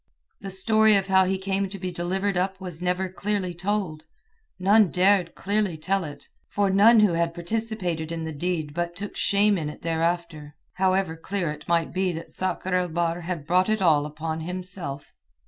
The story of how he came to be delivered up was never clearly told; none dared clearly tell it, for none who had participated in the deed but took shame in it thereafter, however clear it might be that Sakr el Bahr had brought it all upon himself.